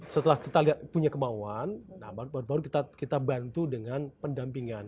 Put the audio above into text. setelah kita lihat punya kemauan baru kita bantu dengan pendampingan